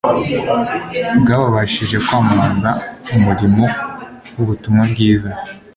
bwababashishije kwamamaza umurimo w'ubutumwa bwiza.